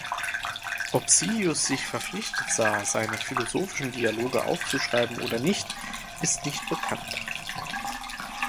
Ob Silius sich verpflichtet sah, seine philosophischen Dialoge aufzuschreiben oder nicht, ist nicht bekannt.